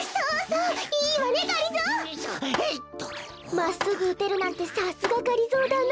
まっすぐうてるなんてさすががりぞーだな。